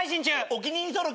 お気に入り登録。